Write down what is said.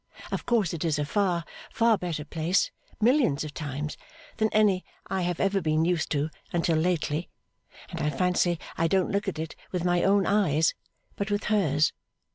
Of course it is a far, far better place millions of times than any I have ever been used to until lately; and I fancy I don't look at it with my own eyes, but with hers.